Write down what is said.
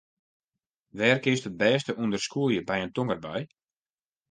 Wêr kinst it bêste ûnder skûlje by in tongerbui?